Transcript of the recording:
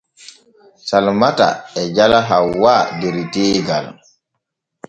Salmata e jala Hawwq der teegal.